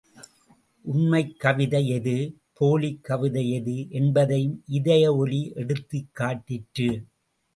உண்மைக்கவிதை எது, போலிக்கவிதை எது, என்பதையும் இதய ஒலி எடுத்துக் காட்டிற்று.